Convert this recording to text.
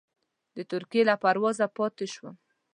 د ترکیې له پروازه پاتې شوم.